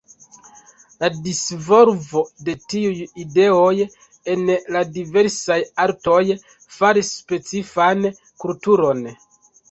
La disvolvo de tiuj ideoj en la diversaj artoj faris specifan kulturon.